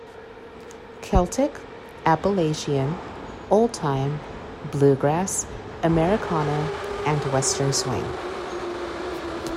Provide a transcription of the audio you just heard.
Celtic, Appalachian, Old Time, Bluegrass, Americana and Western Swing.